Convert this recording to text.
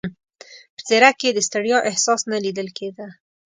په څېره کې یې د ستړیا احساس نه لیدل کېده.